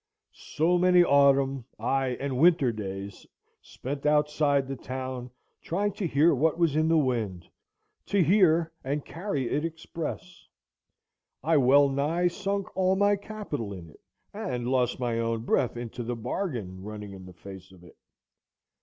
So many autumn, ay, and winter days, spent outside the town, trying to hear what was in the wind, to hear and carry it express! I well nigh sunk all my capital in it, and lost my own breath into the bargain, running in the face of it.